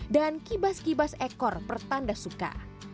dan kibas kibas ekor pertanda suka